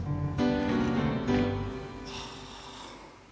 はあ。